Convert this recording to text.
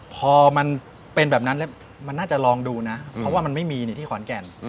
พอมันเป็นแบบนั้นแล้วมันน่าจะลองดูนะเพราะว่ามันไม่มีที่ขอนแก่น